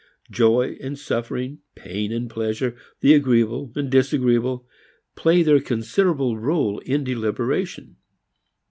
Joy and suffering, pain and pleasure, the agreeable and disagreeable, play their considerable rôle in deliberation.